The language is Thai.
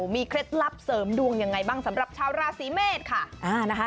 มีเคล็ดลับเสริมดวงยังไงบ้างสำหรับชาวราศีเมษค่ะนะคะ